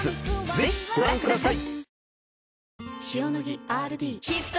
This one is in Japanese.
ぜひご覧ください。